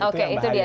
oke itu dia